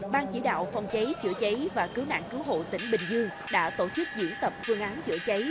ban chỉ đạo phòng cháy chữa cháy và cứu nạn cứu hộ tỉnh bình dương đã tổ chức diễn tập phương án chữa cháy